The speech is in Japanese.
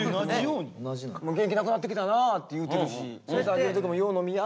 「元気なくなってきたな」って言うてるしお水あげる時も「よう飲みや」